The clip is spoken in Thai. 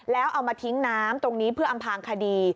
แล้วเอามาทิ้งน้ำตรงนี้เพื่ออำพางคดี